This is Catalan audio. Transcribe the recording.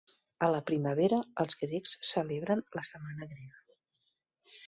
A la primavera, els grecs celebren la "Setmana Grega".